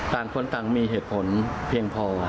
ต่างคนต่างมีเหตุผลเพียงพอ